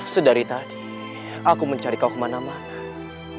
sedari tadi aku mencari kau kemana mana